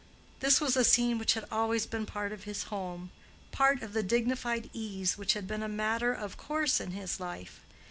This was a scene which had always been part of his home—part of the dignified ease which had been a matter of course in his life.